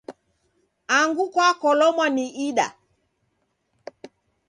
Angu kwakolomwa ni ida?